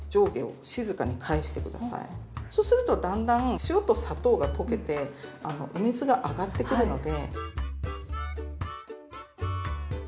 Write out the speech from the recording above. そうするとだんだん塩と砂糖が溶けてお水が上がってくるので。